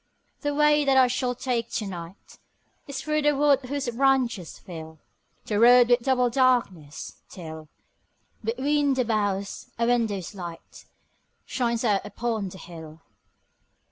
The way that I shall take to night Is through the wood whose branches fill The road with double darkness, till, Between the boughs, a window's light Shines out upon the hill.